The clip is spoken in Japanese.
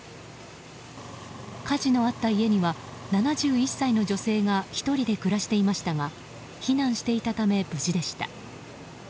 火事のあった家には７１歳の女性が１人で暮らしていましたが避難していたため無事でした。